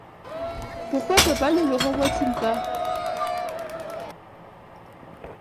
Pourquoi papa ne le renvoie-t-il pas ?